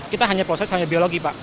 kita hanya proses hanya biologi pak